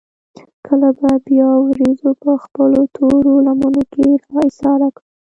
کله به بيا وريځو پۀ خپلو تورو لمنو کښې را ايساره کړه ـ